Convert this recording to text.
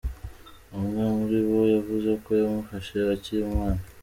Umwe muri bo yavuze ko yamufashe akiri umwana.